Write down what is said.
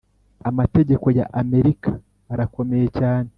amategeko ya Amerika arakomeye cyane